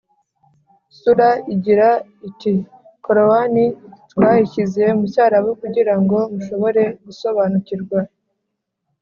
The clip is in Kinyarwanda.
sura igira iti “korowani twayishyize mu cyarabu kugira ngo mushobore gusobanukirwa